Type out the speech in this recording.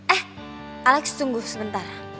eh alex tunggu sebentar